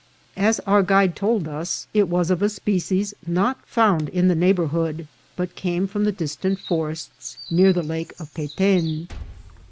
As .our guide told us, it was of a species not found in the neighbourhood, but came from the dis tant forests near the Lake of Peten.